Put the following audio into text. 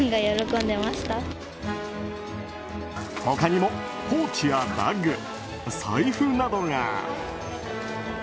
他にもポーチやバッグ、財布などが。